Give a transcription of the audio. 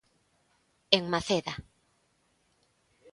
En Maceda.